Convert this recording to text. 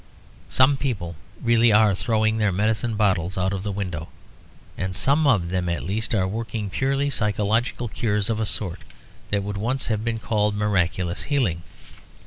Some people really are throwing their medicine bottles out of the window; and some of them at least are working purely psychological cures of a sort that would once have been called miraculous healing.